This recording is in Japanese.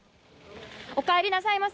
おかえりなさいませ。